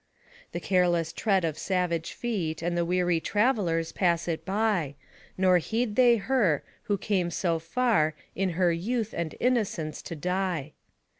The careless tread of savage feet, And the weary travelers, pass it ty, Nor heed they her, who came so far In her youth and innocence to die.